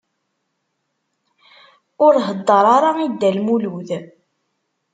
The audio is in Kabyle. Ur heddeṛ ara i Dda Lmulud.